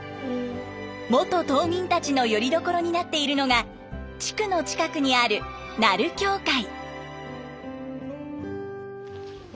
元島民たちのよりどころになっているのが地区の近くにある奈留教会。